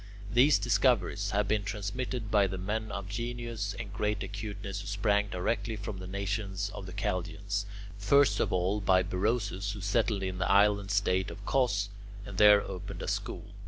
These discoveries have been transmitted by the men of genius and great acuteness who sprang directly from the nation of the Chaldeans; first of all, by Berosus, who settled in the island state of Cos, and there opened a school.